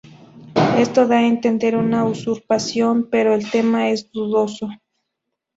Esto da a entender una usurpación, pero el tema es dudoso.